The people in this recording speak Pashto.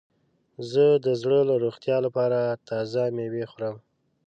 زه د زړه د روغتیا لپاره تازه میوه خورم.